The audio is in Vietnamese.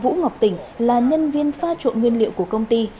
vũ ngọc tỉnh là nhân viên pha trộn nguyên liệu của công ty